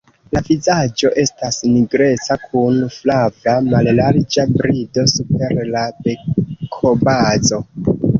La vizaĝo estas nigreca kun flava mallarĝa brido super la bekobazo.